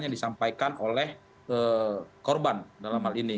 yang disampaikan oleh korban dalam hal ini